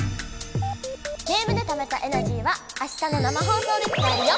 ゲームでためたエナジーはあしたの生放送で使えるよ！